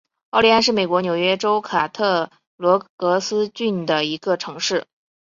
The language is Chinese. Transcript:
奥利安是美国纽约州卡特罗格斯郡的一个城市。